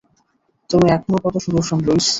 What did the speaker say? তুমি এখনও কত সুদর্শন, লুইস।